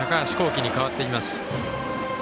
稀に代わっています。